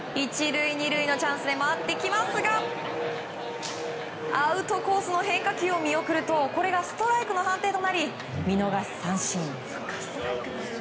１塁２塁のチャンスで回ってきますがアウトコースの変化球を見送るとこれがストライクの判定となり見逃し三振。